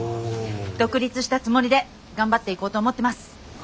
独立したつもりで頑張っていこうと思ってます。